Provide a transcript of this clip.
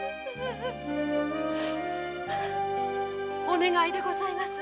お願いでございます。